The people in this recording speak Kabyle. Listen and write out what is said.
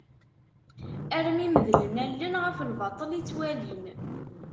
Armi medlen allen ɣef lbaṭel i ttwalin.